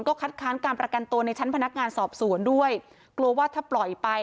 ก็คัดค้านการประกันตัวในชั้นพนักงานสอบสวนด้วยกลัวว่าถ้าปล่อยไป